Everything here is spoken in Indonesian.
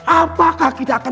apakah kita akan